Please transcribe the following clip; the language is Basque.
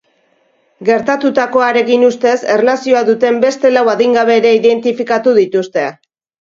Gertatutakoarekin ustez erlazioa duten beste lau adingabe ere identifikatu dituzte.